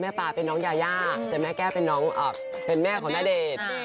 ปลาเป็นน้องยายาแต่แม่แก้วเป็นแม่ของณเดชน์